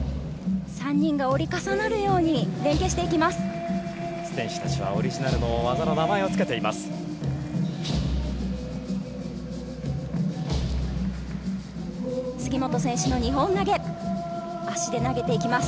３人が折り重なるように連係していきます。